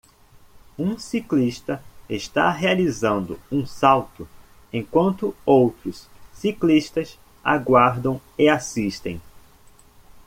Um ciclista está realizando um salto enquanto outros ciclistas aguardam e assistem.